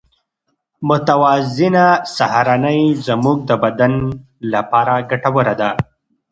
متوازنه سهارنۍ زموږ د بدن لپاره ګټوره ده.